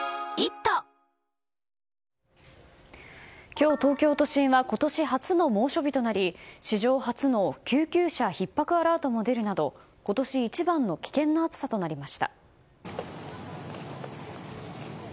今日、東京都心は今年初の猛暑日となり史上初の救急車ひっ迫アラートも出るなど今年一番の危険な暑さとなりました。